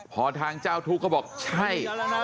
พอทางเจ้าทุกข์ก็บอกใช่